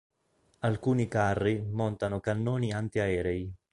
Alcuni carri montano cannoni antiaerei.